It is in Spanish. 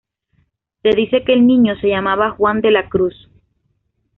Se dice que el niño se llamaba Juan de la Cruz.